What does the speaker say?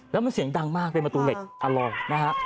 แล้วมันเสียงดังมากเป็นประตูเหล็กอร่อยนะฮะ